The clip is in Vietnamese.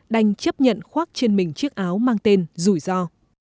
đành chấp nhận khoác trên mình chiếc áo mang tên rủi ro